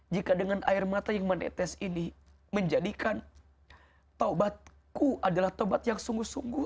jika dengan air mata yang menetes ini menjadikan taubatku adalah taubat yang sungguh sungguh